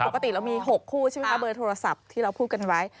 ปกติเรามี๖คู่ใช่ไหมคะเบอร์โทรศัพท์ที่เราพูดกันไว้